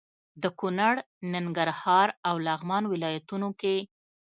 د کونړ، ننګرهار او لغمان ولايتونو کې